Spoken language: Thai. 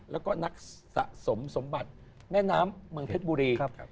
แล้วก็นักสะสมสมบัติแม่น้ำเมืองเพชรบุรี